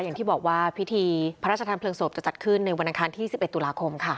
อย่างที่บอกว่าพิธีพระราชทานเพลิงศพจะจัดขึ้นในวันอังคารที่๑๑ตุลาคมค่ะ